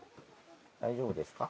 大丈夫ですか？